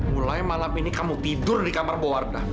mulai malam ini kamu tidur di kamar bowarda